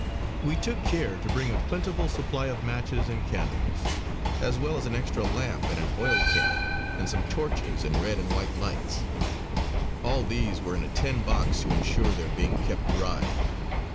We took care to bring a plentiful supply of matches and candles, as well as an extra lamp and an oil can, and some torches and red and white lights. All these were in a tin box to insure their being kept dry.